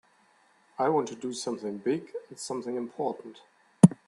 I want to do something big and something important.